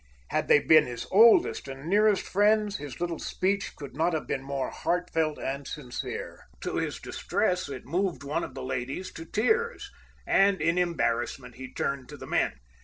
Had they been his oldest and nearest friends, his little speech could not have been more heart felt and sincere. To his distress, it moved one of the ladies to tears, and in embarrassment he turned to the men.